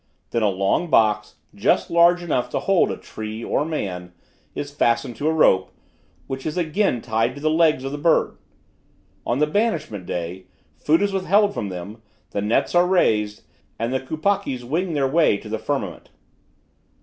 Then a long box, just large enough to hold a tree or man, is fastened to a rope, which is again tied to the legs of the bird. On the banishment day, food is withheld from them, the nets are raised, and the kupakkis wing their way to the firmament.